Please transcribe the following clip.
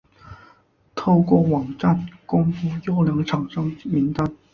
透过网站公布优良厂商名单